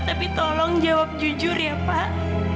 tapi tolong jawab jujur ya pak